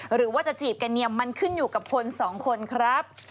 หรือว่าจะจีบกันเนี่ยมันขึ้นอยู่กับคนสองคนครับ